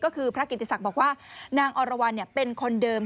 ก็คือพระกิติศักดิ์บอกว่านางอรวรรณเป็นคนเดิม